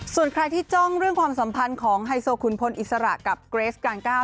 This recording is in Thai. ส่วนใครที่จ้องเรื่องความสัมพันธ์ของไฮโซคุณพลอิสระกับเกรสการก้าว